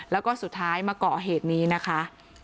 แล้วก็สุดท้ายมาเกาะเหตุนี้นะคะ